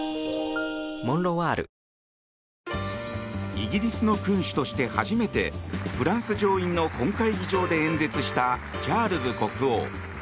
イギリスの君主として初めてフランス上院の本会議場で演説したチャールズ国王。